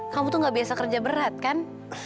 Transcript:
kamu tuh gak biasa kerja berat kan